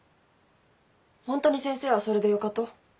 ホントに先生はそれでよかと？